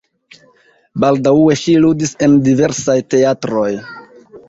Baldaŭe ŝi ludis en diversaj teatroj.